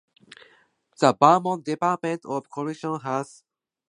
The Vermont Department of Corrections has its headquarters in the Waterbury Office Complex.